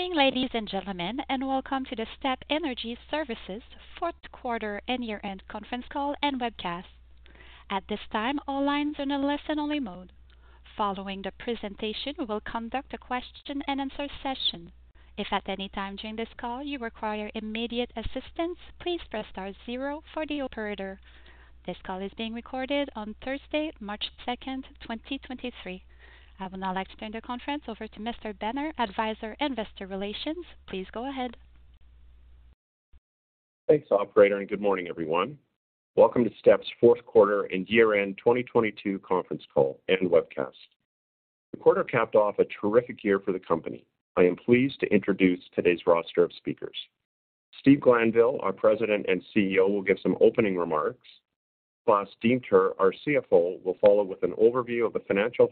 Good morning, ladies and gentlemen, and welcome to the Step Energy Services Fourth Quarter and year-end Conference Call and Webcast. At this time, all lines are in a listen-only mode. Following the presentation, we will conduct a question and answer session. If at any time during this call you require immediate assistance, please press star zero for the operator. This call is being recorded on Thursday, March 2nd, 2023. I would now like to turn the conference over to Mr. Benner, Advisor Investor Relations. Please go ahead. Thanks, operator. Good morning, everyone. Welcome to STEP's Fourth Quarter and Year-end 2022 conference call and webcast. The quarter capped off a terrific year for the company. I am pleased to introduce today's roster of speakers. Steve Glanville, our President and CEO, will give some opening remarks. Klaas Deemter, our CFO, will follow with an overview of the financial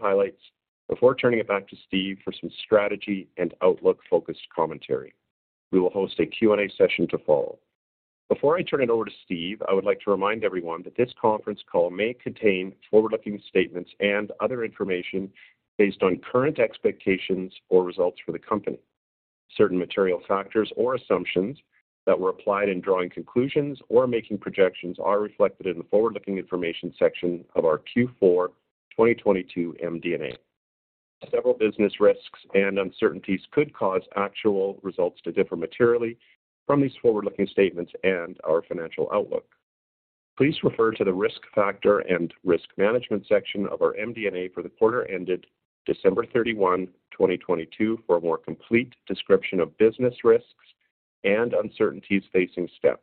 highlights before turning it back to Steve for some strategy and outlook-focused commentary. We will host a Q&A session to follow. Before I turn it over to Steve, I would like to remind everyone that this conference call may contain forward-looking statements and other information based on current expectations or results for the company. Certain material factors or assumptions that were applied in drawing conclusions or making projections are reflected in the forward-looking information section of our Q4 2022 MD&A. Several business risks and uncertainties could cause actual results to differ materially from these forward-looking statements and our financial outlook. Please refer to the risk factor and risk management section of our MD&A for the quarter ended December 31, 2022 for a more complete description of business risks and uncertainties facing Step.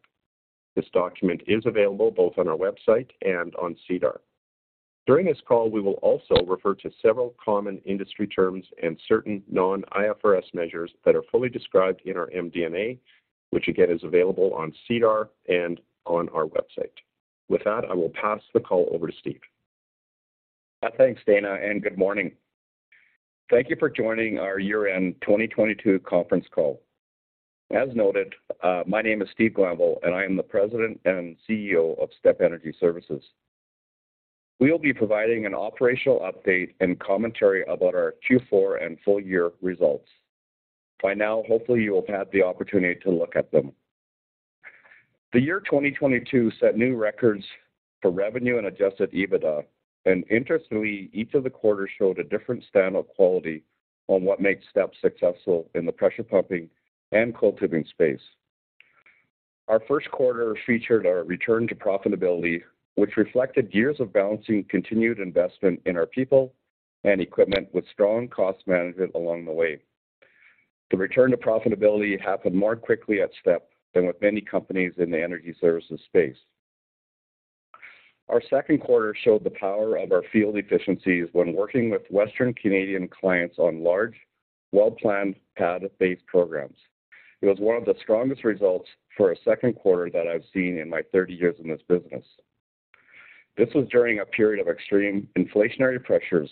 This document is available both on our website and on SEDAR. During this call, we will also refer to several common industry terms and certain non-IFRS measures that are fully described in our MD&A, which again, is available on SEDAR and on our website. With that, I will pass the call over to Steve. Thanks, Dana, good morning. Thank you for joining our year-end 2022 conference call. As noted, my name is Steve Glanville, I am the President and CEO of Step Energy Services. We'll be providing an operational update and commentary about our Q4 and full year results. By now, hopefully you will have had the opportunity to look at them. The year 2022 set new records for revenue and adjusted EBITDA, interestingly, each of the quarters showed a different stamp of quality on what makes Step successful in the pressure pumping and coiled tubing space. Our first quarter featured our return to profitability, which reflected years of balancing continued investment in our people and equipment with strong cost management along the way. The return to profitability happened more quickly at Step than with many companies in the energy services space. Our second quarter showed the power of our field efficiencies when working with western Canadian clients on large, well-planned pad-based programs. It was one of the strongest results for a second quarter that I've seen in my 30 years in this business. This was during a period of extreme inflationary pressures,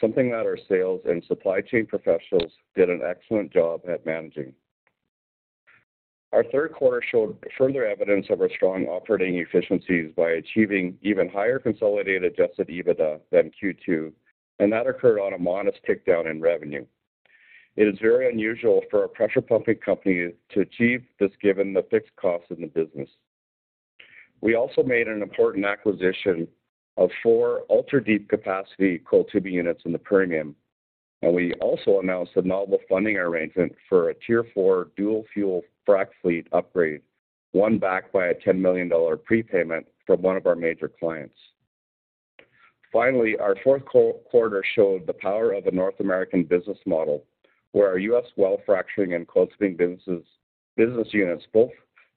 something that our sales and supply chain professionals did an excellent job at managing. Our third quarter showed further evidence of our strong operating efficiencies by achieving even higher consolidated adjusted EBITDA than Q2, and that occurred on a modest tick down in revenue. It is very unusual for a pressure pumping company to achieve this given the fixed costs in the business. We also made an important acquisition of four ultradeep capacity coiled tubing units in the Permian, and we also announced a novel funding arrangement for a Tier 4 dual-fuel frack fleet upgrade, won back by a $10 million prepayment from one of our major clients. Our fourth quarter showed the power of the North American business model, where our U.S. well fracturing and coiled tubing business units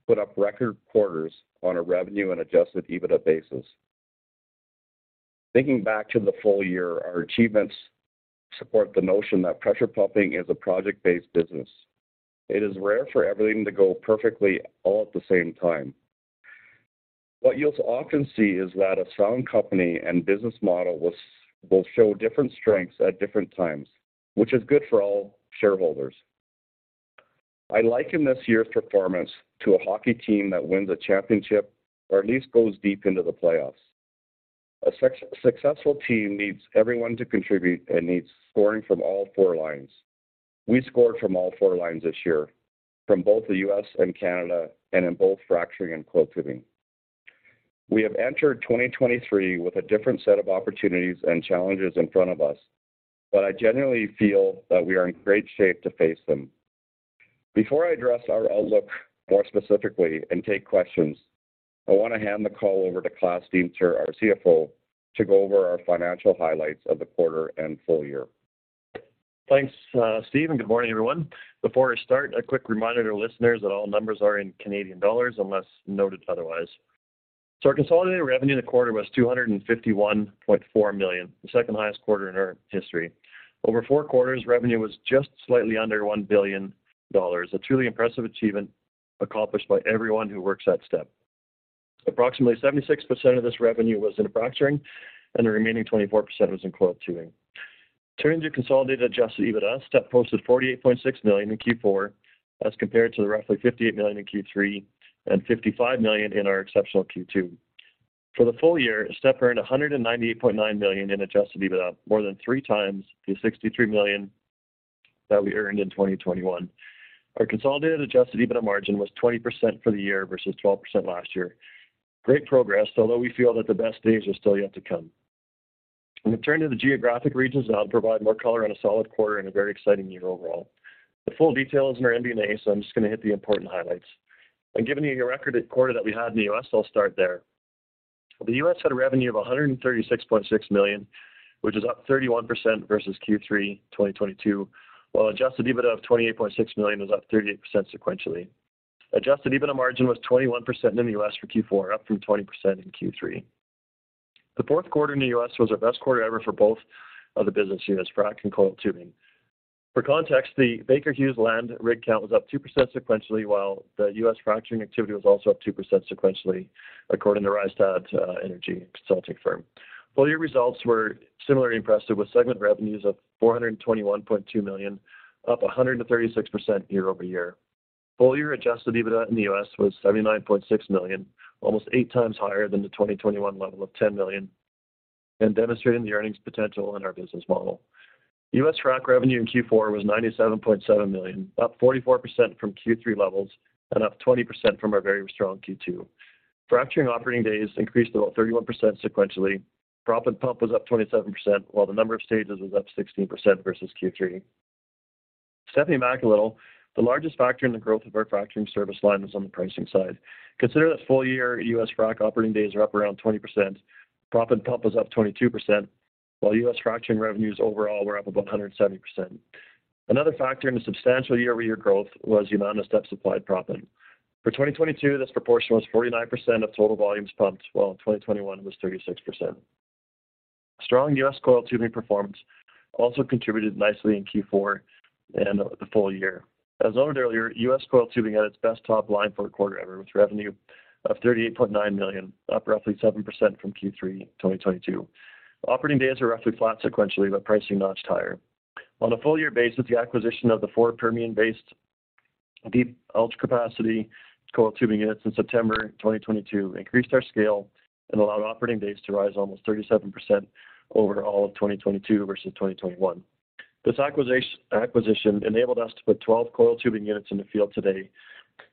both put up record quarters on a revenue and adjusted EBITDA basis. Thinking back to the full year, our achievements support the notion that pressure pumping is a project-based business. It is rare for everything to go perfectly all at the same time. What you'll often see is that a sound company and business model will show different strengths at different times, which is good for all shareholders. I liken this year's performance to a hockey team that wins a championship or at least goes deep into the playoffs. A successful team needs everyone to contribute and needs scoring from all four lines. We scored from all four lines this year from both the U.S. and Canada and in both fracturing and coiled tubing. We have entered 2023 with a different set of opportunities and challenges in front of us, I genuinely feel that we are in great shape to face them. Before I address our outlook more specifically and take questions, I wanna hand the call over to Klaas Deemter, our CFO, to go over our financial highlights of the quarter and full year. Thanks, Steve, good morning, everyone. Before I start, a quick reminder to listeners that all numbers are in Canadian dollars, unless noted otherwise. Our consolidated revenue in the quarter was 251.4 million, the second-highest quarter in our history. Over four quarters, revenue was just slightly under 1 billion dollars, a truly impressive achievement accomplished by everyone who works at Step. Approximately 76% of this revenue was in fracturing, the remaining 24% was in coiled tubing. Turning to consolidated adjusted EBITDA, Step posted 48.6 million in Q4, as compared to the roughly 58 million in Q3 and 55 million in our exceptional Q2. For the full year, STEP earned 198.9 million in adjusted EBITDA, more than three times the 63 million that we earned in 2021. Our consolidated adjusted EBITDA margin was 20% for the year versus 12% last year. Great progress, although we feel that the best days are still yet to come. We turn to the geographic regions now to provide more color on a solid quarter and a very exciting year overall. The full detail is in our MD&A, I'm just gonna hit the important highlights. Given the record quarter that we had in the U.S., I'll start there. The U.S. had a revenue of $136.6 million, which is up 31% versus Q3 2022, while adjusted EBITDA of $28.6 million was up 38% sequentially. Adjusted EBITDA margin was 21% in the U.S. for Q4, up from 20% in Q3. The fourth quarter in the U.S. was our best quarter ever for both of the business units, fracturing and coiled tubing. For context, the Baker Hughes land rig count was up 2% sequentially, while the U.S. fracturing activity was also up 2% sequentially according to Rystad Energy consulting firm. Full year results were similarly impressive, with segment revenues of $421.2 million, up 136% YoY. Full year adjusted EBITDA in the U.S. was $79.6 million, almost eight times higher than the 2021 level of $10 million and demonstrating the earnings potential in our business model. U.S. fracturing revenue in Q4 was $97.7 million, up 44% from Q3 levels and up 20% from our very strong Q2. Fracturing operating days increased about 31% sequentially. Proppant pump was up 27%, while the number of stages was up 16% versus Q3. Stepping back a little, the largest factor in the growth of our fracturing service line was on the pricing side. Consider that full year U.S. fracturing operating days are up around 20%. Proppant pump was up 22%, while U.S. fracturing revenues overall were up about 170%. Another factor in the substantial year-over-year growth was the amount of STEP supplied proppant. For 2022, this proportion was 49% of total volumes pumped, while in 2021 it was 36%. Strong US coiled tubing performance also contributed nicely in Q4 and the full year. As noted earlier, U.S. coiled tubing had its best top line for a quarter ever, with revenue of $38.9 million, up roughly 7% from Q3 2022. Operating days were roughly flat sequentially, but pricing notched higher. On a full year basis, the acquisition of the four Permian-based ultradeep capacity coiled tubing units in September 2022 increased our scale and allowed operating days to rise almost 37% over all of 2022 versus 2021. This acquisition enabled us to put 12 coiled tubing units in the field today.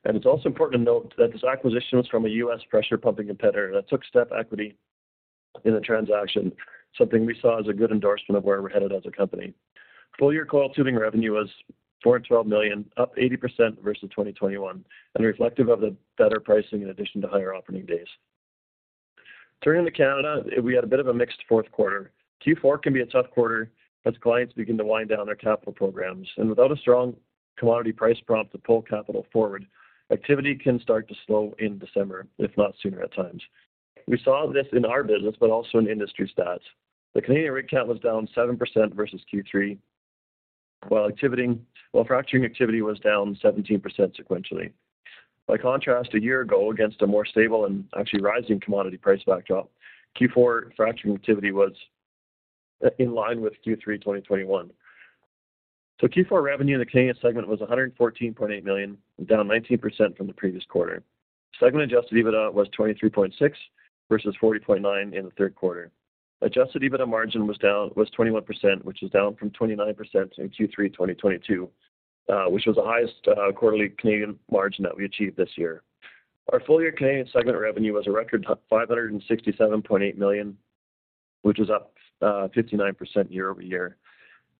It's also important to note that this acquisition was from a U.S. pressure pumping competitor that took STEP equity in the transaction, something we saw as a good endorsement of where we're headed as a company. Full year coiled tubing revenue was 412 million, up 80% versus 2021 and reflective of the better pricing in addition to higher operating days. Turning to Canada, we had a bit of a mixed fourth quarter. Q4 can be a tough quarter as clients begin to wind down their capital programs, without a strong commodity price prompt to pull capital forward, activity can start to slow in December, if not sooner at times. We saw this in our business, also in industry stats. The Canadian rig count was down 7% versus Q3, while fracturing activity was down 17% sequentially. By contrast, a year ago, against a more stable and actually rising commodity price backdrop, Q4 fracturing activity was in line with Q3 2021. The Q4 revenue in the Canadian segment was 114.8 million, down 19% from the previous quarter. Segment adjusted EBITDA was 23.6 million versus 40.9 million in the Q3. Adjusted EBITDA margin was 21%, which is down from 29% in Q3 2022, which was the highest quarterly Canadian margin that we achieved this year. Our full-year Canadian segment revenue was a record 567.8 million, which was up 59% YoY.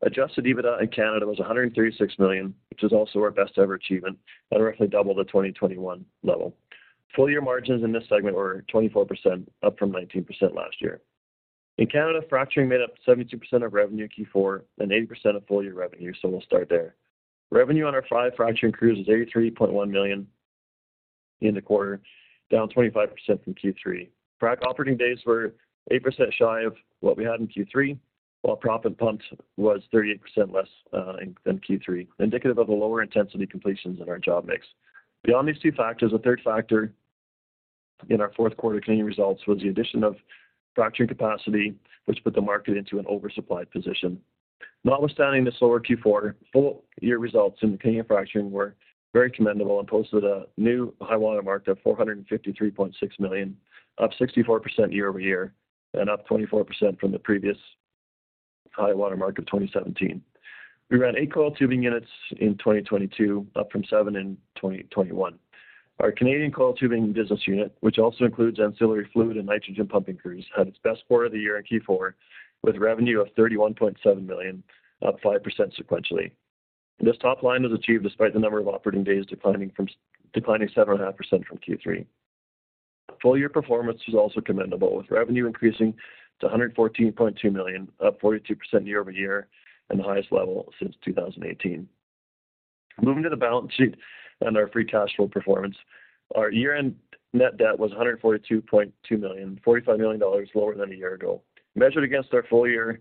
Adjusted EBITDA in Canada was 136 million, which is also our best ever achievement and roughly double the 2021 level. Full year margins in this segment were 24%, up from 19% last year. In Canada, fracturing made up 72% of revenue Q4 and 80% of full-year revenue. We'll start there. Revenue on our five fracturing crews was 83.1 million in the quarter, down 25% from Q3. Frac operating days were 8% shy of what we had in Q3, while proppant pumped was 38% less than Q3, indicative of the lower intensity completions in our job mix. Beyond these two factors, a third factor in our fourth quarter Canadian results was the addition of fracturing capacity, which put the market into an oversupplied position. Notwithstanding this lower Q4, full year results in Canadian fracturing were very commendable and posted a new high-water mark of 453.6 million, up 64% YoY and up 24% from the previous high-water mark of 2017. We ran eight coiled tubing units in 2022, up from seven in 2021. Our Canadian coiled tubing business unit, which also includes ancillary fluid and nitrogen pumping crews, had its best quarter of the year in Q4, with revenue of 31.7 million, up 5% sequentially. This top line was achieved despite the number of operating days declining 7.5% from Q3. Full year performance was also commendable, with revenue increasing to 114.2 million, up 42% YoY and the highest level since 2018. Moving to the balance sheet and our free cash flow performance. Our year-end net debt was 142.2 million, 45 million dollars lower than a year ago. Measured against our full year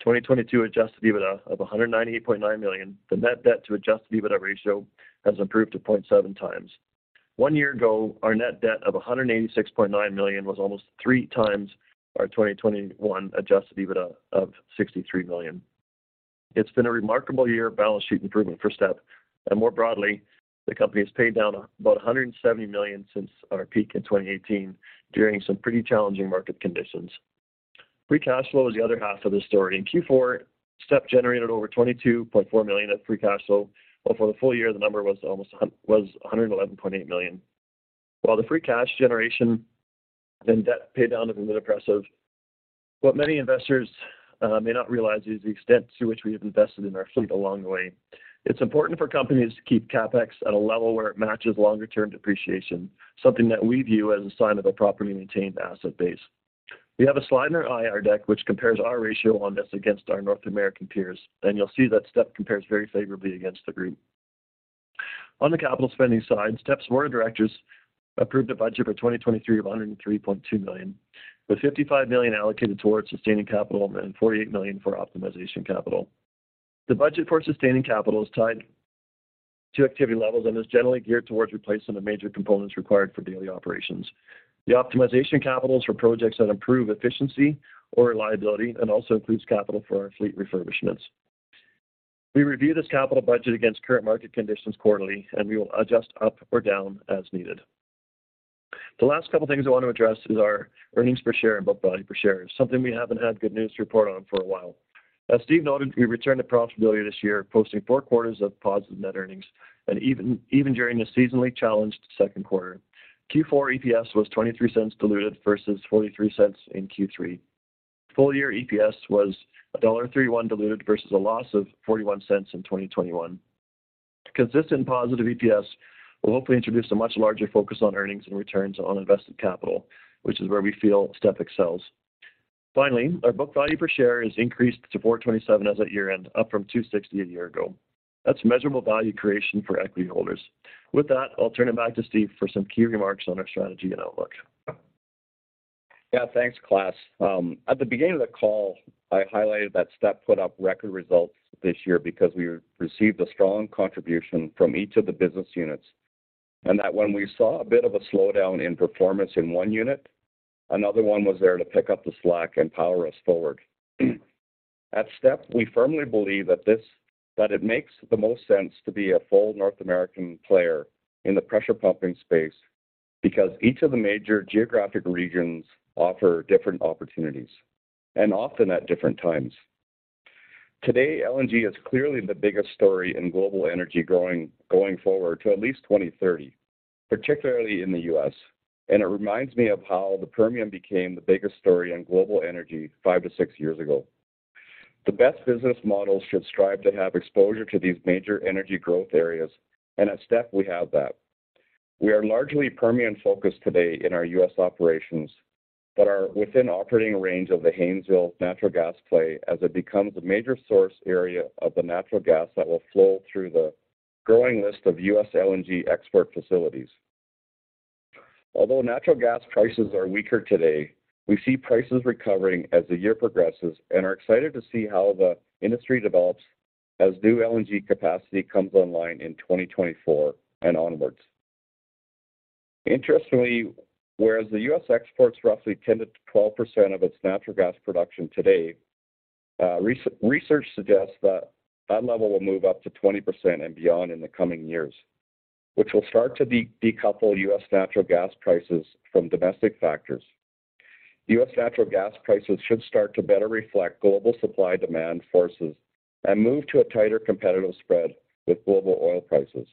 2022 adjusted EBITDA of 198.9 million, the net debt to adjusted EBITDA ratio has improved to 0.7x. One year ago, our net debt of 186.9 million was almost 3x our 2021 adjusted EBITDA of 63 million. It's been a remarkable year of balance sheet improvement for STEP. More broadly, the company has paid down about 170 million since our peak in 2018 during some pretty challenging market conditions. Free cash flow is the other half of the story. In Q4, STEP generated over 22.4 million of free cash flow. For the full year, the number was almost 111.8 million. While the free cash generation and debt pay down have been impressive, what many investors may not realize is the extent to which we have invested in our fleet along the way. It's important for companies to keep CapEx at a level where it matches longer-term depreciation, something that we view as a sign of a properly maintained asset base. We have a slide in our IR deck which compares our ratio on this against our North American peers. You'll see that STEP compares very favorably against the group. On the capital spending side, STEP's board of directors approved a budget for 2023 of 103.2 million, with 55 million allocated towards sustaining capital and 48 million for optimization capital. The budget for sustaining capital is tied to activity levels and is generally geared towards replacing the major components required for daily operations. The optimization capital is for projects that improve efficiency or reliability and also includes capital for our fleet refurbishments. We review this capital budget against current market conditions quarterly, and we will adjust up or down as needed. The last couple things I want to address is our EPS and book value per share, something we haven't had good news to report on for a while. As Steve noted, we returned to profitability this year, posting four quarters of positive net earnings and even during the seasonally challenged second quarter. Q4 EPS was 0.23 diluted versus 0.43 in Q3. Full year EPS was dollar 1.03 diluted versus a loss of 0.41 in 2021. Consistent positive EPS will hopefully introduce a much larger focus on earnings and returns on invested capital, which is where we feel STEP excels. Our book value per share has increased to 4.27 as of year-end, up from 2.60 a year ago. That's measurable value creation for equity holders. With that, I'll turn it back to Steve for some key remarks on our strategy and outlook. Yeah, thanks, Klaas. At the beginning of the call, I highlighted that STEP put up record results this year because we received a strong contribution from each of the business units, and that when we saw a bit of a slowdown in performance in one unit, another one was there to pick up the slack and power us forward. At STEP, we firmly believe that it makes the most sense to be a full North American player in the pressure pumping space because each of the major geographic regions offer different opportunities and often at different times. Today, LNG is clearly the biggest story in global energy going forward to at least 2030, particularly in the U.S. It reminds me of how the Permian became the biggest story in global energy five to six years ago. The best business models should strive to have exposure to these major energy growth areas. At STEP, we have that. We are largely Permian-focused today in our U.S. operations but are within operating range of the Haynesville natural gas play as it becomes a major source area of the natural gas that will flow through the growing list of U.S. LNG export facilities. Although natural gas prices are weaker today, we see prices recovering as the year progresses and are excited to see how the industry develops as new LNG capacity comes online in 2024 and onwards. Interestingly, whereas the U.S. exports roughly 10%-12% of its natural gas production today, research suggests that that level will move up to 20% and beyond in the coming years, which will start to decouple U.S. natural gas prices from domestic factors. U.S. natural gas prices should start to better reflect global supply-demand forces and move to a tighter competitive spread with global oil prices.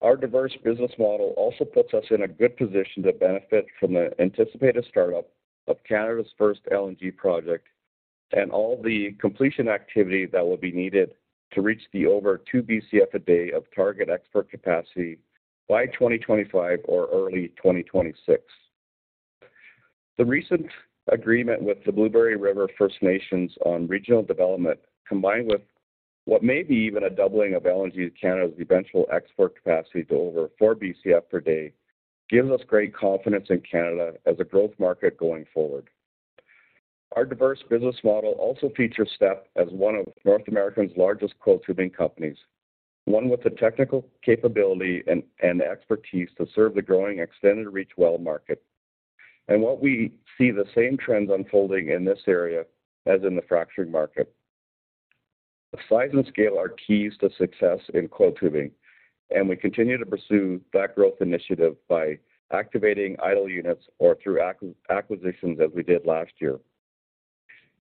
Our diverse business model also puts us in a good position to benefit from the anticipated startup of Canada's first LNG project and all the completion activity that will be needed to reach the over two BCF a day of target export capacity by 2025 or early 2026. The recent agreement with the Blueberry River First Nations on regional development, combined with what may be even a doubling of LNG to Canada's eventual export capacity to over four BCF per day, gives us great confidence in Canada as a growth market going forward. Our diverse business model also features STEP as one of North America's largest coiled tubing companies, one with the technical capability and expertise to serve the growing extended reach well market. What we see the same trends unfolding in this area as in the fracturing market. The size and scale are keys to success in coiled tubing, and we continue to pursue that growth initiative by activating idle units or through acquisitions as we did last year.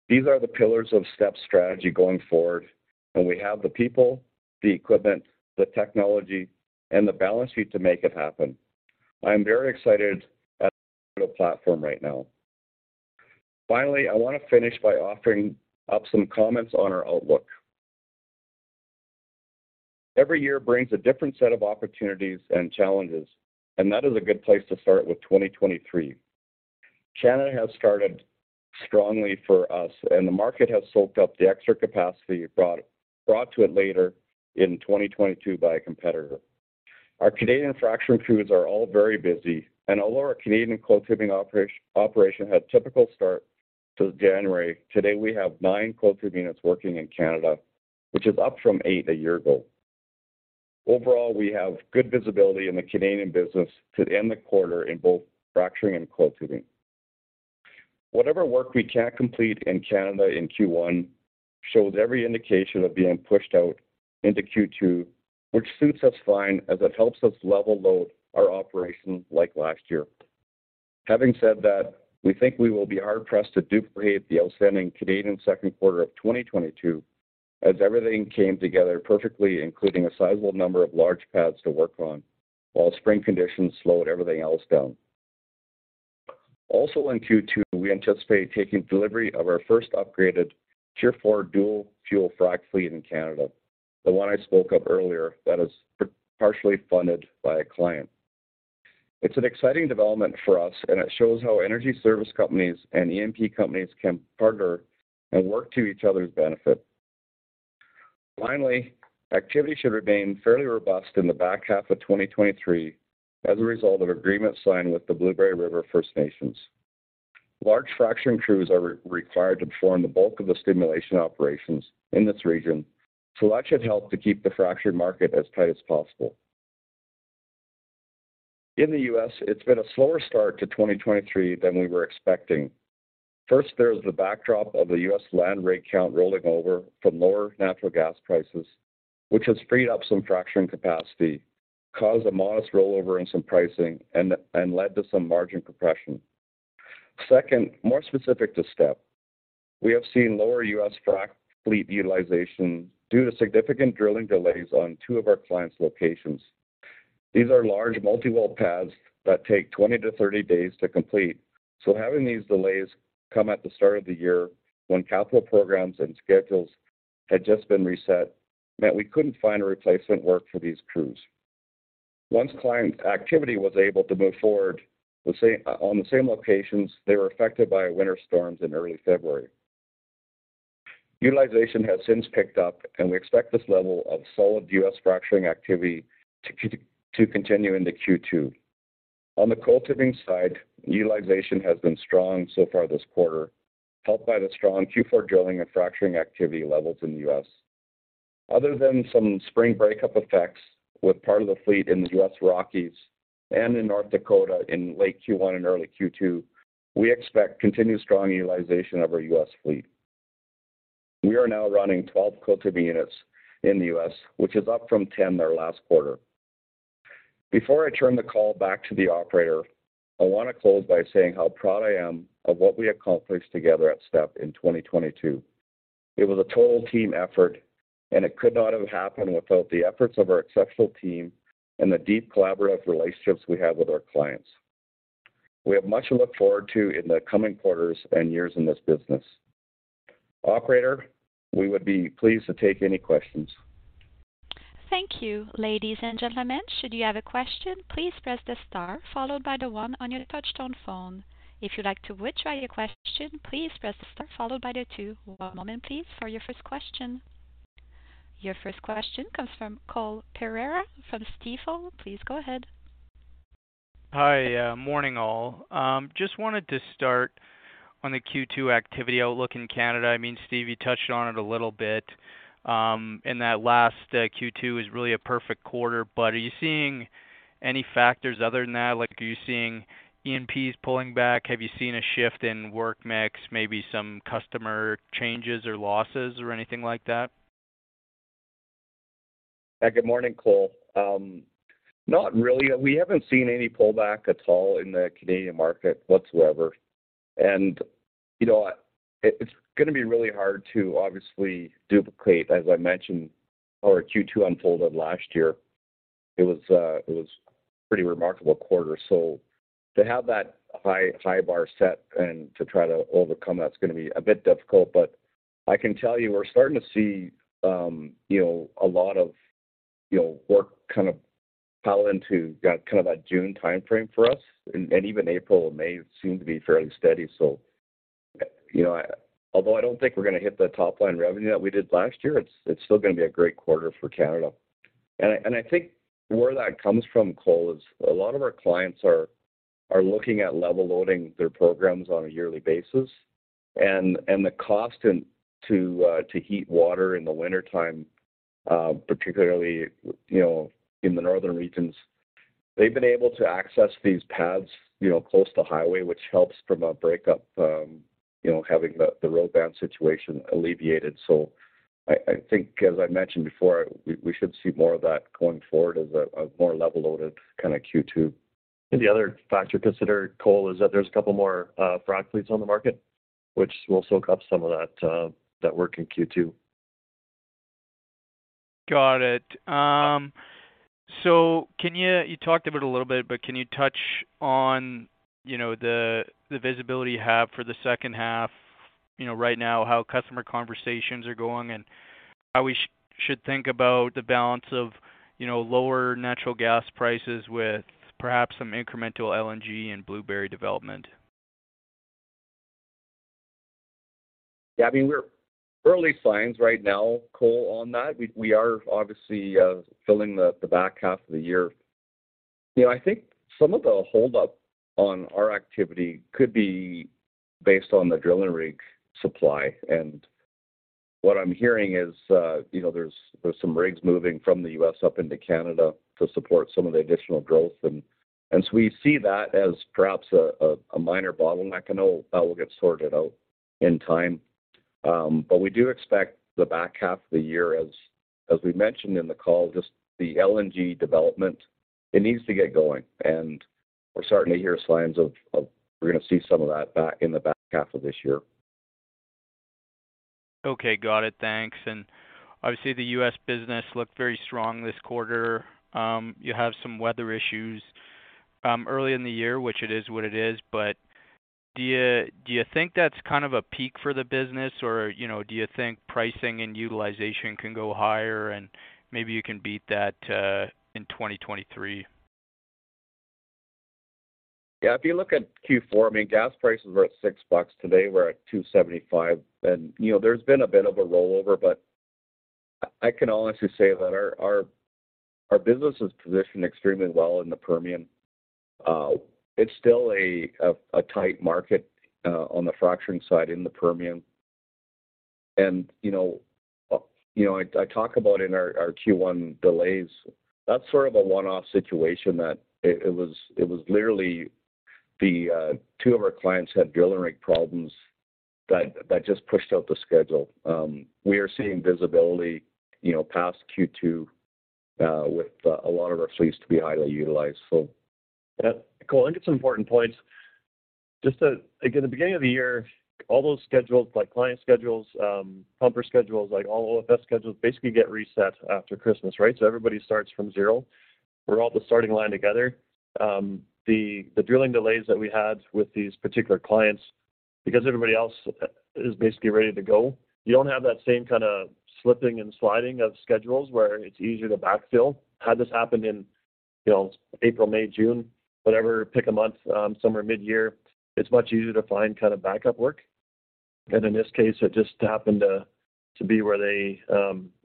These are the pillars of STEP's strategy going forward, and we have the people, the equipment, the technology, and the balance sheet to make it happen. I'm very excited at the platform right now. Finally, I wanna finish by offering up some comments on our outlook. Every year brings a different set of opportunities and challenges, and that is a good place to start with 2023. Canada has started strongly for us, and the market has soaked up the extra capacity brought to it later in 2022 by a competitor. Our Canadian fracturing crews are all very busy, and although our Canadian coiled tubing operation had a typical start to January, today we have nine coiled tubing units working in Canada, which is up from eight a year ago. Overall, we have good visibility in the Canadian business to end the quarter in both fracturing and coiled tubing. Whatever work we can't complete in Canada in Q1 shows every indication of being pushed out into Q2, which suits us fine as it helps us level load our operations like last year. Having said that, we think we will be hard pressed to duplicate the outstanding Canadian second quarter of 2022 as everything came together perfectly, including a sizable number of large pads to work on, while spring conditions slowed everything else down. In Q2, we anticipate taking delivery of our first upgraded Tier 4 dual fuel frac fleet in Canada, the one I spoke of earlier that is partially funded by a client. It's an exciting development for us, and it shows how energy service companies and E&P companies can partner and work to each other's benefit. Activity should remain fairly robust in the back half of 2023 as a result of agreement signed with the Blueberry River First Nations. Large fracturing crews are required to perform the bulk of the stimulation operations in this region, that should help to keep the fractured market as tight as possible. In the U.S., it's been a slower start to 2023 than we were expecting. First, there's the backdrop of the U.S. land rig count rolling over from lower natural gas prices, which has freed up some fracturing capacity, caused a modest rollover in some pricing and led to some margin compression. Second, more specific to STEP. We have seen lower U.S. frac fleet utilization due to significant drilling delays on two of our clients' locations. These are large multi-well pads that take 20-30 days to complete. Having these delays come at the start of the year when capital programs and schedules had just been reset, meant we couldn't find replacement work for these crews. Once client activity was able to move forward on the same locations, they were affected by winter storms in early February. Utilization has since picked up, and we expect this level of solid U.S. fracturing activity to continue into Q2. On the coiled tubing side, utilization has been strong so far this quarter, helped by the strong Q4 drilling and fracturing activity levels in the U.S. Other than some spring break-up effects with part of the fleet in the U.S. Rockies and in North Dakota in late Q1 and early Q2, we expect continued strong utilization of our U.S. fleet. We are now running 12 coiled tubing units in the U.S., which is up from 10 there last quarter. Before I turn the call back to the operator, I wanna close by saying how proud I am of what we accomplished together at STEP in 2022. It was a total team effort, it could not have happened without the efforts of our exceptional team and the deep collaborative relationships we have with our clients. We have much to look forward to in the coming quarters and years in this business. Operator, we would be pleased to take any questions. Thank you. Ladies and gentlemen, should you have a question, please press the star followed by the 1 on your touch-tone phone. If you'd like to withdraw your question, please press the star followed by the 2. One moment, please, for your first question. Your first question comes from Cole Pereira from Stifel. Please go ahead. Hi. Yeah, morning, all. Just wanted to start on the Q2 activity outlook in Canada. I mean, Steve, you touched on it a little bit, and that last Q2 is really a perfect quarter. Are you seeing any factors other than that? Like, are you seeing E&Ps pulling back? Have you seen a shift in work mix, maybe some customer changes or losses or anything like that? Yeah. Good morning, Cole. Not really. We haven't seen any pullback at all in the Canadian market whatsoever. You know, it's gonna be really hard to obviously duplicate, as I mentioned, how our Q2 unfolded last year. It was a pretty remarkable quarter. To have that high, high bar set and to try to overcome that is gonna be a bit difficult. I can tell you we're starting to see a lot of work kind of pile into kind of that June timeframe for us, and even April and May seem to be fairly steady. You know, although I don't think we're gonna hit the top line revenue that we did last year, it's still gonna be a great quarter for Canada. I think where that comes from, Cole, is a lot of our clients are looking at level loading their programs on a yearly basis. The cost to heat water in the wintertime, particularly, you know, in the northern regions, they've been able to access these pads, you know, close to highway, which helps from a break-up, you know, having the road ban situation alleviated. I think as I mentioned before, we should see more of that going forward as a more level loaded kinda Q2. The other factor to consider, Cole, is that there's a couple more frac fleets on the market, which will soak up some of that work in Q2. Got it. You talked about it a little bit, but can you touch on, you know, the visibility you have for the second half, you know, right now, how customer conversations are going and how we should think about the balance of, you know, lower natural gas prices with perhaps some incremental LNG and Blueberry development? Yeah. I mean, early signs right now, Cole, on that. We are obviously filling the back half of the year. You know, I think some of the hold up on our activity could be based on the drilling rig supply. What I'm hearing is, you know, there's some rigs moving from the U.S. up into Canada to support some of the additional growth. So we see that as perhaps a minor bottleneck, and that will get sorted out in time. We do expect the back half of the year, as we mentioned in the call, just the LNG development, it needs to get going. We're starting to hear signs of we're gonna see some of that back in the back half of this year. Okay. Got it. Thanks. Obviously, the U.S. business looked very strong this quarter. You have some weather issues early in the year, which it is what it is. Do you think that's kind of a peak for the business or, you know, do you think pricing and utilization can go higher and maybe you can beat that in 2023? Yeah. If you look at Q4, I mean, gas prices were at $6, today we're at $2.75. You know, there's been a bit of a rollover, but I can honestly say that our business is positioned extremely well in the Permian. It's still a tight market on the fracturing side in the Permian. You know, I talk about in our Q1 delays, that's sort of a one-off situation that it was literally the two of our clients had drilling rig problems that just pushed out the schedule. We are seeing visibility, you know, past Q2, with a lot of our fleets to be highly utilized, so. Yeah, Cole, I think it's important points. Just again, the beginning of the year, all those schedules like client schedules, pumper schedules, like all OFS schedules, basically get reset after Christmas, right? Everybody starts from zero. We're all at the starting line together. The drilling delays that we had with these particular clients, because everybody else is basically ready to go, you don't have that same kind of slipping and sliding of schedules where it's easier to backfill. Had this happened in, you know, April, May, June, whatever, pick a month, somewhere midyear, it's much easier to find kind of backup work. In this case, it just happened to be where they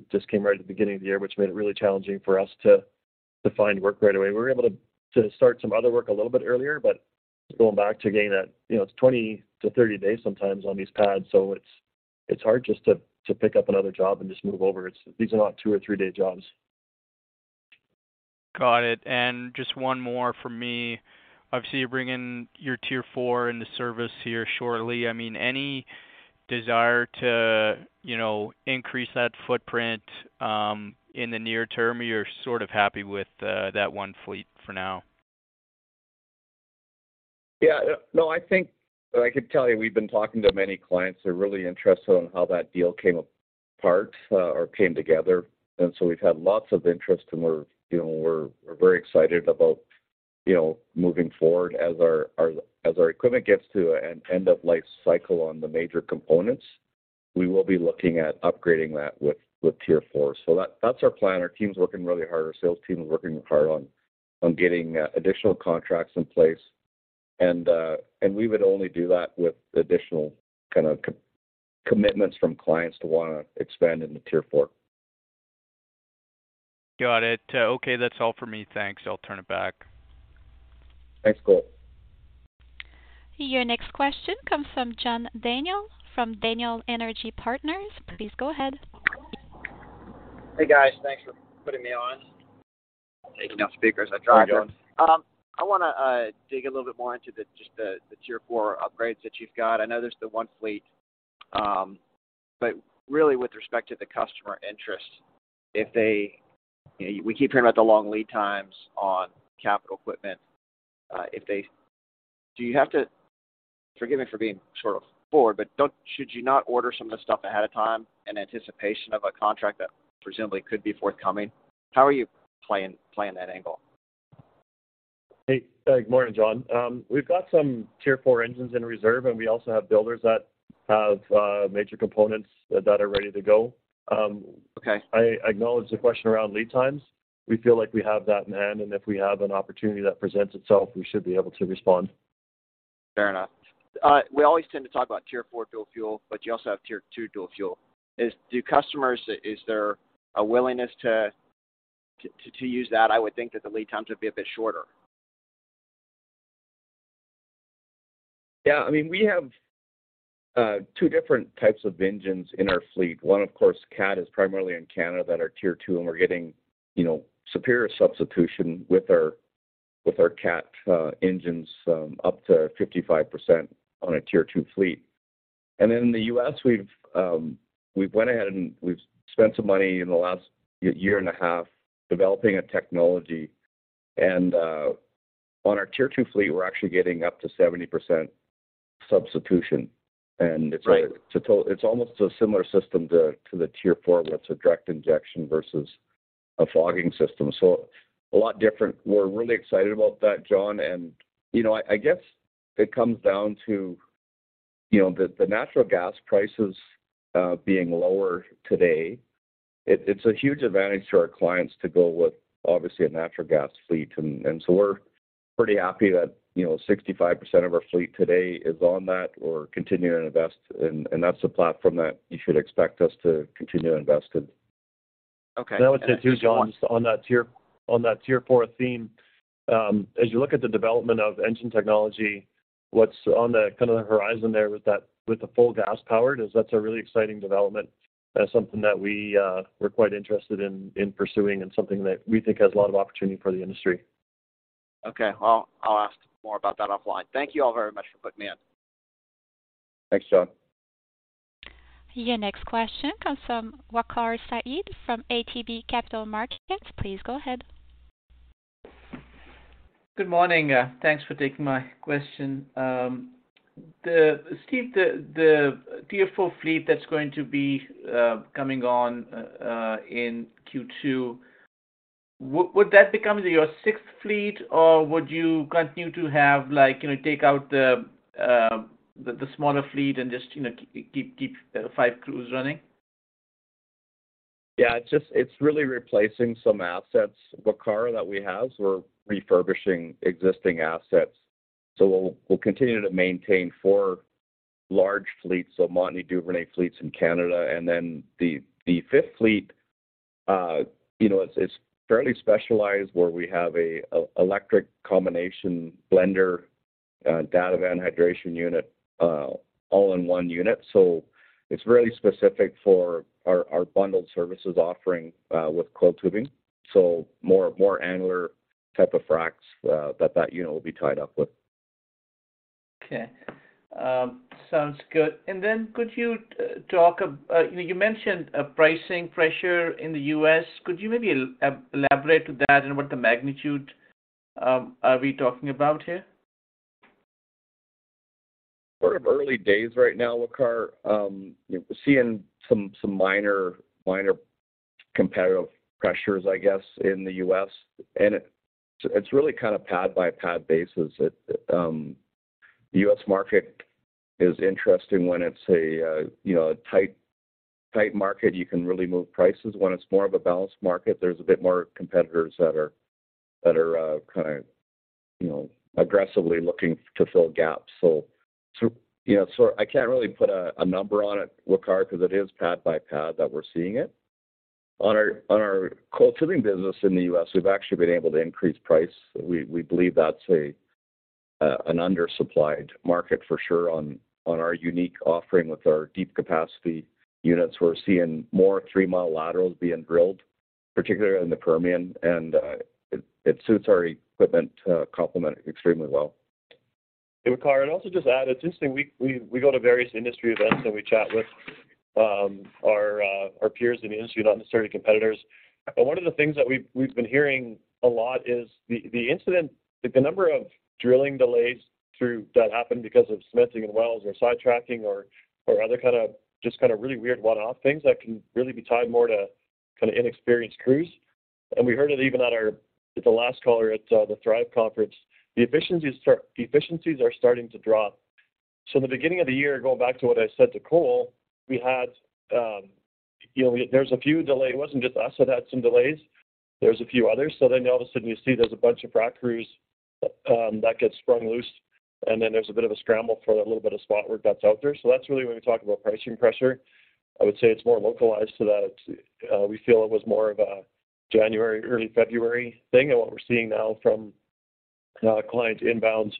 just came right at the beginning of the year, which made it really challenging for us to find work right away. We were able to start some other work a little bit earlier, going back to getting that, you know, it's 20-30 days sometimes on these pads, it's hard just to pick up another job and just move over. These are not two or three day jobs. Got it. Just one more from me. Obviously, you're bringing your Tier 4 into service here shortly. I mean, any desire to, you know, increase that footprint in the near term, or you're sort of happy with that one fleet for now? Yeah. No, I think I could tell you, we've been talking to many clients. They're really interested on how that deal came apart or came together. We've had lots of interest, and we're, you know, very excited about, you know, moving forward as our equipment gets to an end of life cycle on the major components, we will be looking at upgrading that with Tier 4. That's our plan. Our team's working really hard. Our sales team is working hard on getting additional contracts in place. We would only do that with additional kind of co-commitments from clients to wanna expand into Tier 4. Got it. Okay, that's all for me. Thanks. I'll turn it back. Thanks, Cole. Your next question comes from John Daniel from Daniel Energy Partners. Please go ahead. Hey, guys. Thanks for putting me on. Taking down speakers. I wanna dig a little bit more into the just the Tier 4 upgrades that you've got. I know there's the one fleet, but really with respect to the customer interest, if we keep hearing about the long lead times on capital equipment. Do you have to, forgive me for being sort of forward, but should you not order some of the stuff ahead of time in anticipation of a contract that presumably could be forthcoming? How are you playing that angle? Hey, good morning, John. We've got some Tier 4 engines in reserve, and we also have builders that have major components that are ready to go. Okay. I acknowledge the question around lead times. We feel like we have that in hand, and if we have an opportunity that presents itself, we should be able to respond. Fair enough. We always tend to talk about Tier 4 dual fuel, but you also have Tier 2 dual fuel. Is there a willingness to use that? I would think that the lead times would be a bit shorter. Yeah. I mean, we have two different types of engines in our fleet. One, of course, Cat is primarily in Canada that are Tier 2, and we're getting, you know, superior substitution with our, with our Cat engines, up to 55% on a Tier 2 fleet. In the U.S. we've went ahead and we've spent some money in the last year and a half developing a technology. On our Tier 2 fleet, we're actually getting up to 70% substitution. Right. It's almost a similar system to the Tier 4, where it's a direct injection versus a fogging system. A lot different. We're really excited about that, John. You know, I guess it comes down to the natural gas prices being lower today. It's a huge advantage to our clients to go with obviously a natural gas fleet. We're pretty happy that, you know, 65% of our fleet today is on that or continuing to invest and that's the platform that you should expect us to continue to invest in. Okay. I would say too, John, on that Tier, on that Tier 4 theme, as you look at the development of engine technology, what's on the kind of the horizon there with that, with the full gas powered is that's a really exciting development. That's something that we're quite interested in pursuing and something that we think has a lot of opportunity for the industry. Okay. Well, I'll ask more about that offline. Thank you all very much for putting me on. Thanks, John. Your next question comes from Waqar Syed from ATB Capital Markets. Please go ahead. Good morning. Thanks for taking my question. Steve, the Tier 4 fleet that's going to be coming on in Q2, would that become your sixth fleet, or would you continue to have like, you know, take out the smaller fleet and just, you know, keep five crews running? Yeah, it's really replacing some assets, Waqar, that we have. We're refurbishing existing assets. We'll continue to maintain four large fleets, so Montney/Duvernay fleets in Canada, and then the fifth fleet, you know, it's fairly specialized where we have an electric combination blender, data van hydration unit, all-in-one unit. It's really specific for our bundled services offering with coiled tubing. More angular type of fracs that unit will be tied up with. Okay. Sounds good. Then could you talk, you know, you mentioned a pricing pressure in the U.S. Could you maybe elaborate to that and what the magnitude, are we talking about here? Sort of early days right now, Waqar. We're seeing some minor competitive pressures, I guess, in the U.S. It's really kind of pad by pad basis. The U.S. market is interesting when it's a, you know, a tight market, you can really move prices. When it's more of a balanced market, there's a bit more competitors that are, you know, aggressively looking to fill gaps. I can't really put a number on it, Waqar, because it is pad by pad that we're seeing it. On our coiled tubing business in the U.S., we've actually been able to increase price. We believe that's an undersupplied market for sure on our unique offering with our deep capacity units. We're seeing more three-mile laterals being drilled, particularly in the Permian, and it suits our equipment complement extremely well. Hey, Waqar. I'd also just add, it's interesting, we go to various industry events, and we chat with our peers in the industry, not necessarily competitors. One of the things that we've been hearing a lot is the number of drilling delays that happened because of cementing in wells or sidetracking or other kind of really weird one-off things that can really be tied more to kind of inexperienced crews. We heard it even with the last caller at the Thrive Conference. The efficiencies are starting to drop. In the beginning of the year, going back to what I said to Cole, we had, you know, there's a few delays. It wasn't just us that had some delays. There's a few others. All of a sudden you see there's a bunch of frac crews that get sprung loose, and then there's a bit of a scramble for the little bit of spot work that's out there. That's really when we talk about pricing pressure, I would say it's more localized to that. We feel it was more of a January, early February thing. What we're seeing now from client inbounds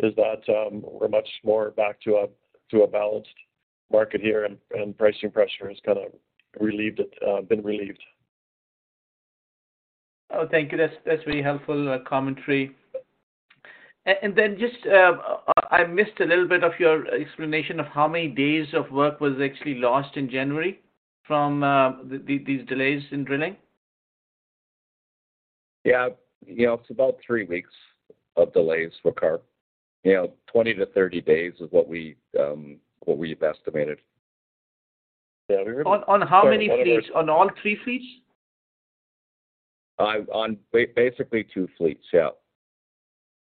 is that we're much more back to a, to a balanced market here and pricing pressure has kind of relieved it, been relieved. Oh, thank you. That's very helpful commentary. Then just I missed a little bit of your explanation of how many days of work was actually lost in January from these delays in drilling? Yeah. You know, it's about three weeks of delays, Waqar. You know, 20-30 days is what we've estimated. Yeah, we. On how many fleets? On all three fleets? on basically two fleets, yeah.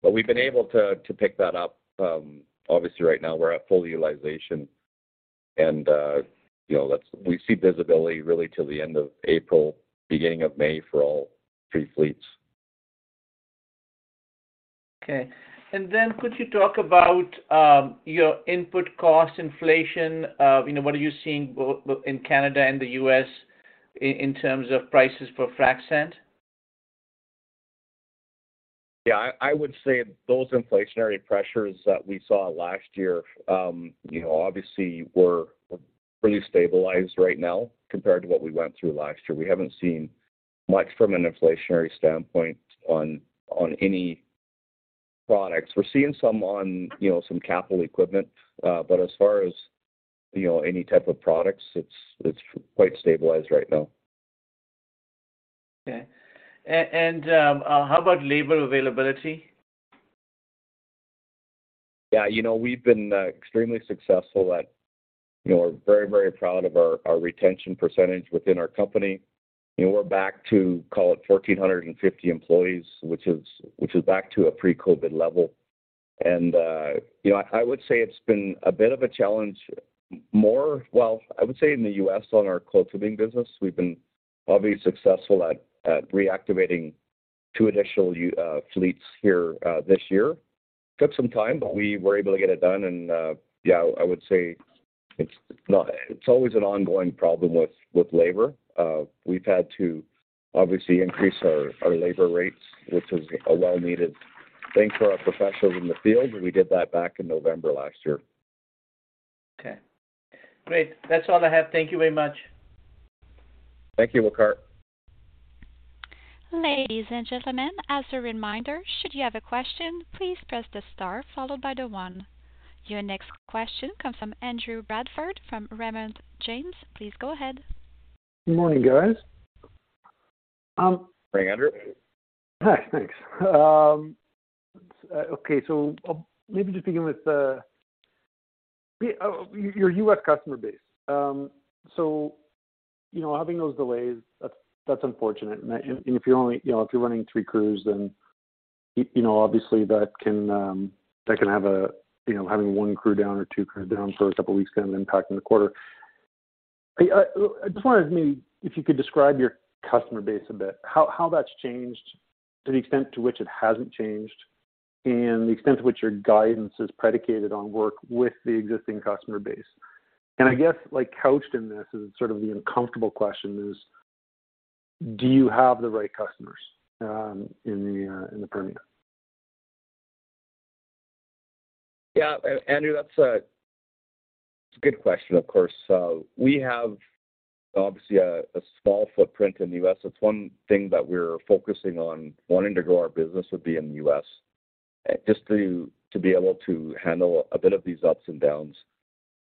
We've been able to pick that up. Obviously right now we're at full utilization and, you know, that's we see visibility really till the end of April, beginning of May for all three fleets. Okay. Then could you talk about your input cost inflation? You know, what are you seeing both in Canada and the U.S. in terms of prices per frac sand? Yeah. I would say those inflationary pressures that we saw last year, you know, obviously we're pretty stabilized right now compared to what we went through last year. We haven't seen much from an inflationary standpoint on any products. We're seeing some on, you know, some capital equipment. As far as, you know, any type of products, it's quite stabilized right now. Okay. How about labor availability? Yeah. You know, we've been extremely successful. You know, we're very, very proud of our retention percentage within our company. You know, we're back to, call it 1,450 employees, which is back to a pre-COVID level. You know, I would say it's been a bit of a challenge. Well, I would say in the U.S. on our coiled tubing business, we've been obviously successful at reactivating two additional fleets here this year. Took some time, but we were able to get it done. Yeah, I would say it's always an ongoing problem with labor. We've had to obviously increase our labor rates, which is a well needed thing for our professionals in the field, but we did that back in November last year. Okay, great. That's all I have. Thank you very much. Thank you, Waqar. Ladies and gentlemen, as a reminder, should you have a question, please press the star followed by the one. Your next question comes from Andrew Bradford from Raymond James. Please go ahead. Good morning, guys. Hey, Andrew. Hi. Thanks. Maybe just begin with your U.S. customer base. You know, having those delays, that's unfortunate. If you're only, you know, if you're running three crews, then, you know, obviously that can have a, you know, having one crew down or two crew down for a couple of weeks can have an impact in the quarter. I just wondered if maybe if you could describe your customer base a bit, how that's changed to the extent to which it hasn't changed and the extent to which your guidance is predicated on work with the existing customer base. I guess, like, couched in this is sort of the uncomfortable question is, do you have the right customers in the Permian? Yeah. Andrew, that's a good question, of course. We have obviously a small footprint in the U.S. It's one thing that we're focusing on wanting to grow our business would be in the U.S., just to be able to handle a bit of these ups and downs.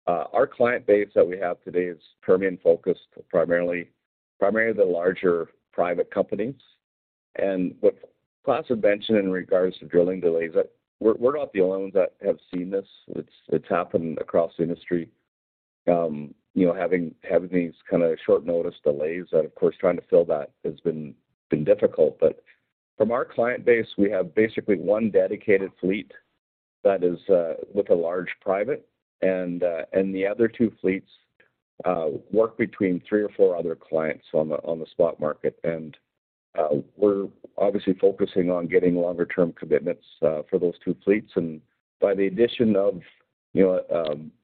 Our client base that we have today is Permian focused, primarily the larger private companies. With Klaas Deemter in regards to drilling delays, we're not the only ones that have seen this. It's happened across the industry, you know, having these kind of short notice delays. Of course, trying to fill that has been difficult. From our client base, we have basically one dedicated fleet that is with a large private and the other two fleets work between three or four other clients on the spot market. We're obviously focusing on getting longer term commitments for those two fleets. By the addition of, you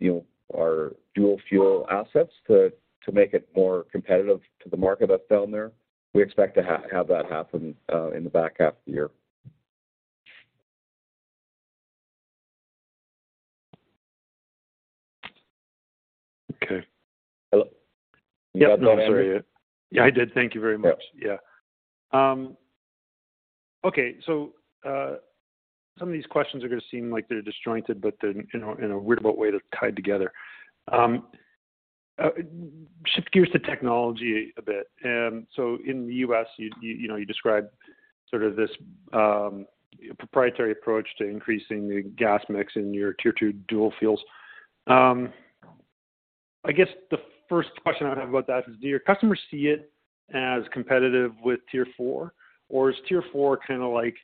know, our dual fuel assets to make it more competitive to the market that's down there, we expect to have that happen in the back half of the year. Okay. Hello? You got that, Andrew? Yeah. No, I'm sorry. Yeah, I did. Thank you very much. Yeah. Yeah. Okay. Some of these questions are gonna seem like they're disjointed, but they're in a weird little way, they're tied together. Shift gears to technology a bit. In the U.S., you know, you described sort of this proprietary approach to increasing the gas mix in your Tier 2 dual fuels. I guess the first question I have about that is, do your customers see it as competitive with Tier 4, or is Tier 4 kinda like,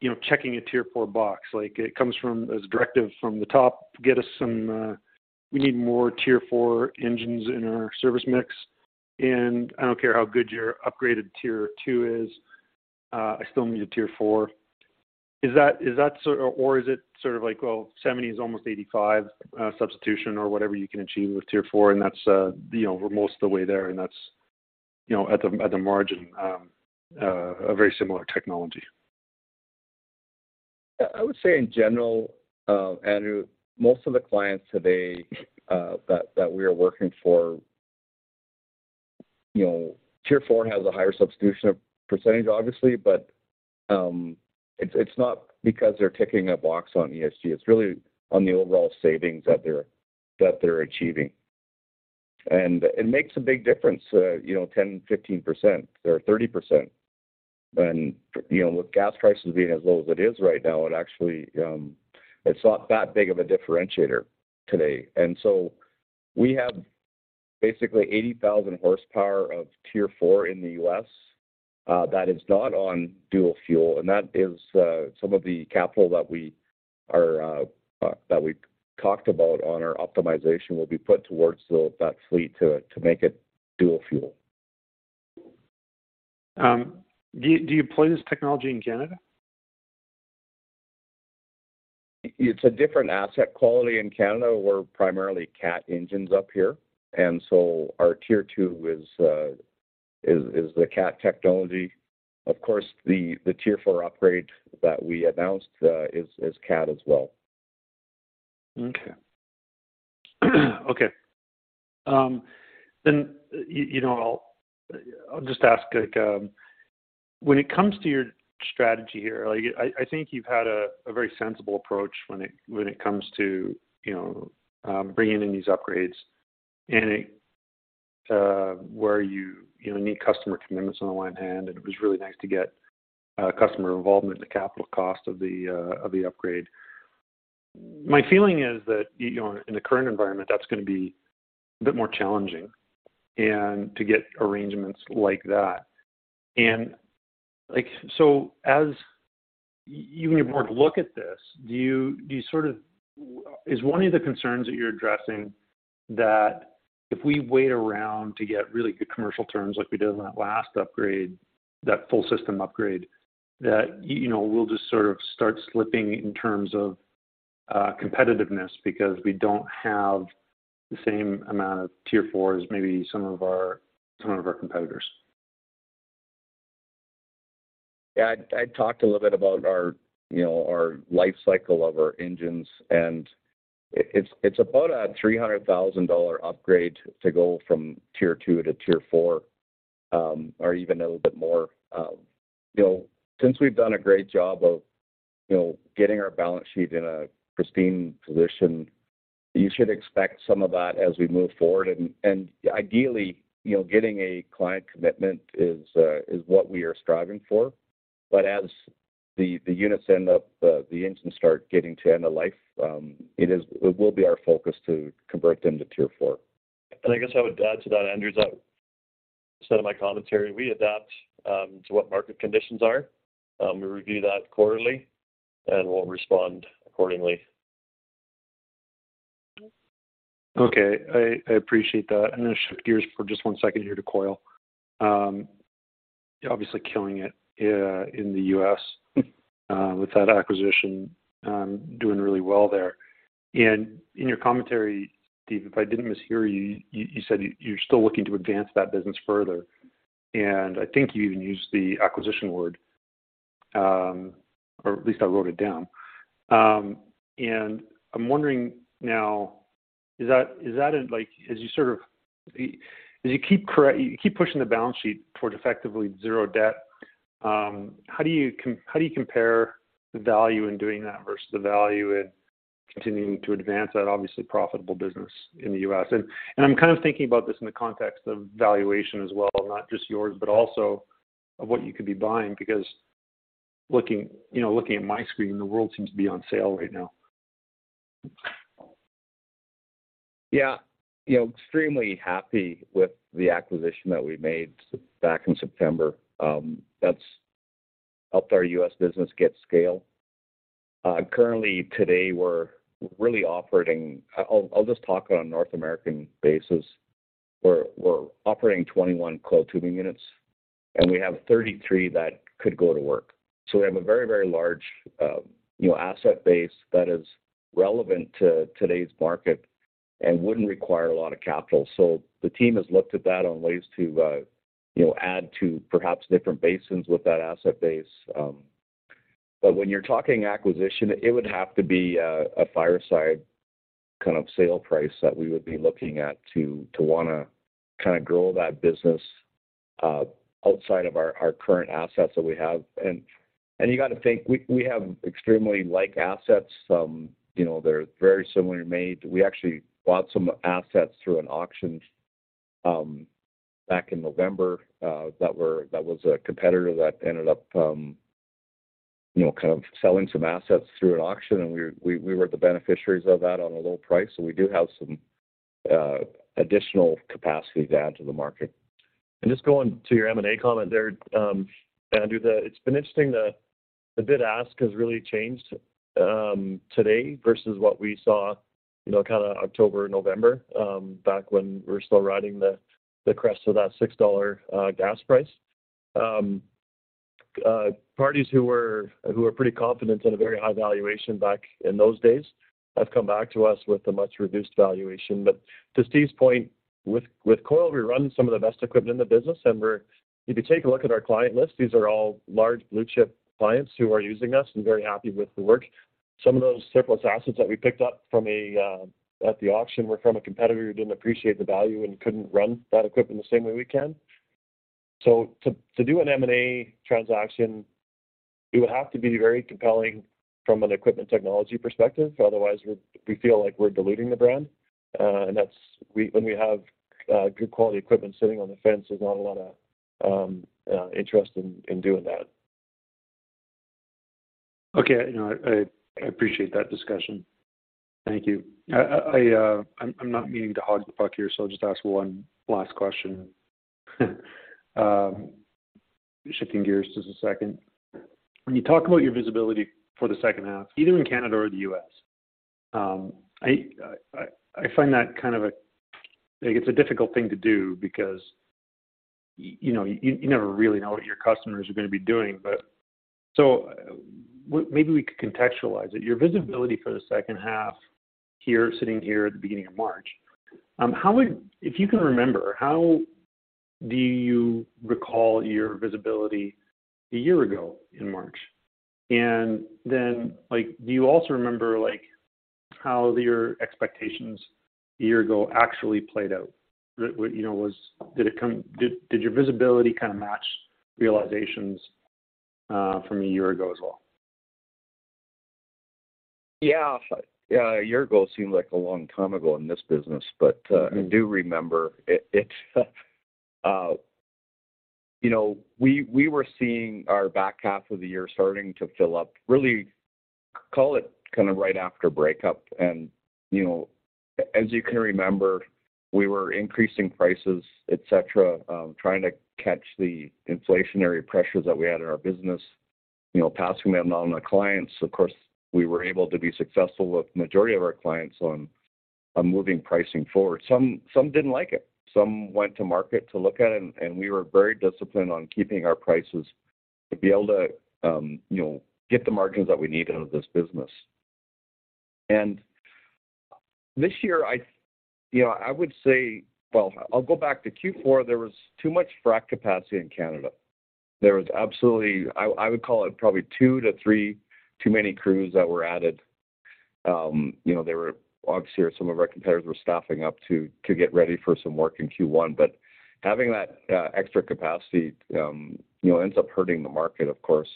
you know, checking a Tier 4 box? Like it comes from as directive from the top, get us some, we need more Tier 4 engines in our service mix. I don't care how good your upgraded Tier 2 is, I still need a Tier 4. Is that sort of... or is it sort of like, well, 70 is almost 85, substitution or whatever you can achieve with Tier 4, and that's, you know, we're most of the way there, and that's, you know, at the, at the margin, a very similar technology. I would say in general, Andrew, most of the clients today that we are working for, you know, Tier 4 has a higher substitution of percentage, obviously. It's not because they're ticking a box on ESG, it's really on the overall savings that they're achieving. It makes a big difference, you know, 10%-15% or 30% when, you know, with gas prices being as low as it is right now, it actually, it's not that big of a differentiator today. We have basically 80,000 hp of Tier 4 in the U.S. that is not on dual fuel, and that is some of the capital that we talked about on our optimization will be put towards that fleet to make it dual fuel. Do you play this technology in Canada? It's a different asset quality in Canada. We're primarily Cat engines up here, our Tier 2 is the Cat technology. Of course, the Tier 4 upgrade that we announced is Cat as well. Okay. Okay. You know, I'll just ask, like, when it comes to your strategy here, like I think you've had a very sensible approach when it comes to, you know, bringing in these upgrades and it, where you know, need customer commitments on the one hand, and it was really nice to get customer involvement in the capital cost of the upgrade. My feeling is that, you know, in the current environment, that's gonna be a bit more challenging and to get arrangements like that. As you even more look at this, do you sort of is one of the concerns that you're addressing that if we wait around to get really good commercial terms like we did in that last upgrade, that full system upgrade, that, you know, we'll just sort of start slipping in terms of competitiveness because we don't have the same amount of Tier 4s, maybe some of our competitors? Yeah. I talked a little bit about our, you know, our life cycle of our engines, and it's about a $300,000 upgrade to go from Tier 2 to Tier 4, or even a little bit more. You know, since we've done a great job of, you know, getting our balance sheet in a pristine position, you should expect some of that as we move forward. Ideally, you know, getting a client commitment is what we are striving for. As the units end up, the engines start getting to end of life, it will be our focus to convert them to Tier 4. I guess I would add to that, Andrew, is that some of my commentary, we adapt to what market conditions are. We review that quarterly, and we'll respond accordingly. Okay. I appreciate that. I'm gonna shift gears for just one second here to coil. Obviously killing it in the U.S. with that acquisition, doing really well there. In your commentary, Steve, if I didn't mishear you said you're still looking to advance that business further, and I think you even used the acquisition word, or at least I wrote it down. I'm wondering now, is that it like as you keep pushing the balance sheet toward effectively zero debt, how do you compare the value in doing that versus the value in continuing to advance that obviously profitable business in the U.S.? I'm kind of thinking about this in the context of valuation as well, not just yours, but also of what you could be buying because looking, you know, looking at my screen, the world seems to be on sale right now. You know, extremely happy with the acquisition that we made back in September, that's helped our U.S. business get scale. Currently today, we're really operating. I'll just talk on North American basis. We're operating 21 coiled tubing units, and we have 33 that could go to work. We have a very, very large, you know, asset base that is relevant to today's market and wouldn't require a lot of capital. The team has looked at that on ways to, you know, add to perhaps different basins with that asset base. When you're talking acquisition, it would have to be a fire sale kind of sale price that we would be looking at to wanna kinda grow that business outside of our current assets that we have. You gotta think we have extremely like assets, you know, they're very similarly made. We actually bought some assets through an auction back in November that was a competitor that ended up, you know, kind of selling some assets through an auction, and we were the beneficiaries of that on a low price. We do have some additional capacity to add to the market. Just going to your M&A comment there, Andrew, it's been interesting the bid ask has really changed today versus what we saw, you know, kinda October, November, back when we're still riding the crest of that $6 gas price. Parties who were pretty confident in a very high valuation back in those days have come back to us with a much reduced valuation. To Steve's point, with coil, we run some of the best equipment in the business, and if you take a look at our client list, these are all large blue chip clients who are using us and very happy with the work. Some of those surplus assets that we picked up from at the auction were from a competitor who didn't appreciate the value and couldn't run that equipment the same way we can. To do an M&A transaction, it would have to be very compelling from an equipment technology perspective. Otherwise, we feel like we're diluting the brand. That's when we have good quality equipment sitting on the fence, there's not a lot of interest in doing that. Okay. You know, I appreciate that discussion. Thank you. I'm not meaning to hog the puck here, so I'll just ask one last question. Shifting gears just a second. When you talk about your visibility for the second half, either in Canada or the U.S., I find that kind of a like, it's a difficult thing to do because, you know, you never really know what your customers are gonna be doing. Maybe we could contextualize it. Your visibility for the second half here, sitting here at the beginning of March, how would. If you can remember, how do you recall your visibility a year ago in March? Then, like, do you also remember, like, how your expectations a year ago actually played out? You know, did your visibility kinda match realizations from a year ago as well? Yeah. A year ago seemed like a long time ago in this business, but I do remember it. You know, we were seeing our back half of the year starting to fill up, really call it kind of right after spring break-up. You know, as you can remember, we were increasing prices, et cetera, trying to catch the inflationary pressures that we had in our business, you know, passing that on to clients. Of course, we were able to be successful with majority of our clients on moving pricing forward. Some didn't like it. Some went to market to look at it, and we were very disciplined on keeping our prices to be able to, you know, get the margins that we need out of this business. This year, you know, I would say... Well, I'll go back to Q4. There was too much frac capacity in Canada. There was absolutely, I would call it probably two to three too many crews that were added. You know, obviously here some of our competitors were staffing up to get ready for some work in Q1. Having that extra capacity, you know, ends up hurting the market, of course.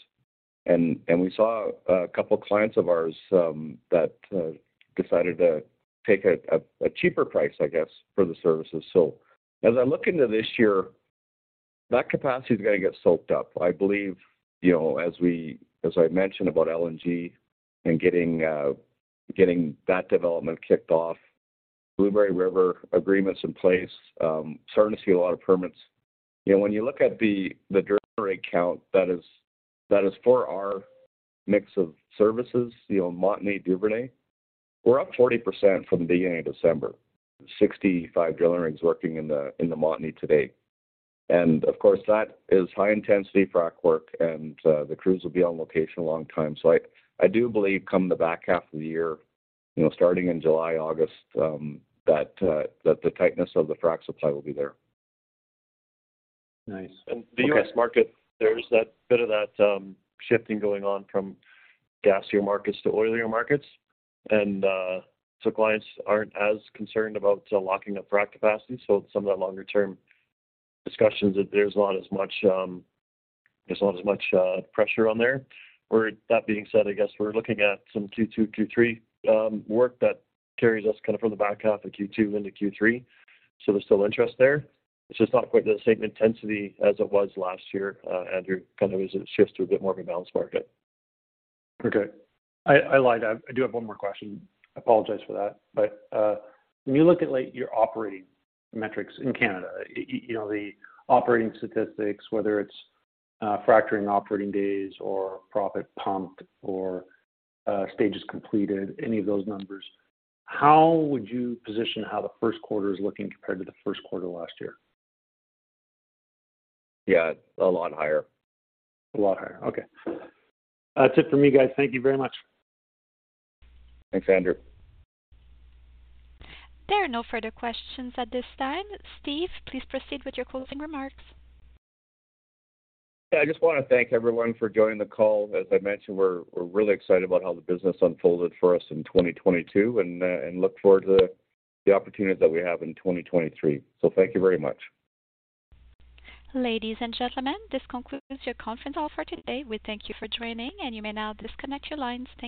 We saw a couple clients of ours that decided to take a cheaper price, I guess, for the services. As I look into this year, that capacity is gonna get soaked up. I believe, you know, as I mentioned about LNG and getting that development kicked off, Blueberry River agreements in place, starting to see a lot of permits. You know, when you look at the drill rig count, that is, that is for our mix of services, you know, Montney, Duvernay, we're up 40% from the beginning of December. Sixty-five drill rigs working in the, in the Montney today. Of course, that is high intensity frac work and the crews will be on location a long time. I do believe come the back half of the year, you know, starting in July, August, that the tightness of the frac supply will be there. Nice. Okay. The U.S. market, there's that bit of that shifting going on from gassier markets to oilier markets, clients aren't as concerned about locking up frac capacity. Some of the longer-term discussions, there's not as much pressure on there. That being said, I guess we're looking at some Q2, Q3 work that carries us kind of from the back half of Q2 into Q3. There's still interest there. It's just not quite the same intensity as it was last year, Andrew, kind of as it shifts to a bit more of a balanced market. Okay. I lied. I do have one more question. I apologize for that. When you look at, like, your operating metrics in Canada, you know, the operating statistics, whether it's fracturing operating days or proppant pumped or stages completed, any of those numbers, how would you position how the first quarter is looking compared to the first quarter last year? Yeah, a lot higher. A lot higher. Okay. That's it for me, guys. Thank you very much. Thanks, Andrew. There are no further questions at this time. Steve, please proceed with your closing remarks. I just wanna thank everyone for joining the call. As I mentioned, we're really excited about how the business unfolded for us in 2022 and look forward to the opportunities that we have in 2023. Thank you very much. Ladies and gentlemen, this concludes your conference call for today. We thank you for joining, and you may now disconnect your lines. Thank you.